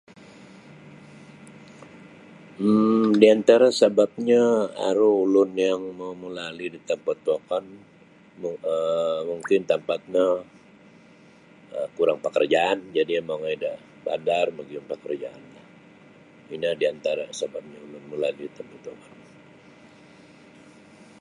um Di antara sababnyo aru ulun yang mau mulali da tampat wokon um mungkin tampat no um kurang pakarjaan jadi iyo mongoi da bandar magium da karjaan lah ino di antara sababnyo ulun mulali da tampat wokon.